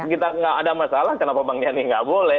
kita nggak ada masalah kenapa bang yani nggak boleh